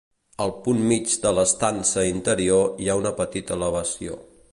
Al punt mig de l'estança interior hi ha una petita elevació.